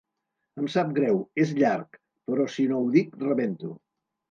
Em sap greu, és llarg, però si no ho dic rebento.